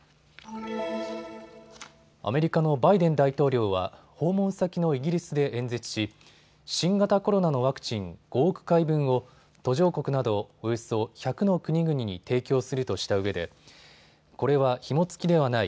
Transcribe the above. アメリカのバイデン大統領は訪問先のイギリスで演説し新型コロナのワクチン５億回分を途上国などおよそ１００の国々に提供するとしたうえでこれはひも付きではない。